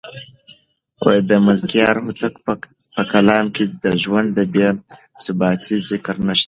د ملکیار هوتک په کلام کې د ژوند د بې ثباتۍ ذکر نشته.